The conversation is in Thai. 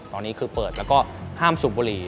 ตอนนี้คือเปิดแล้วก็ห้ามสูบบุหรี่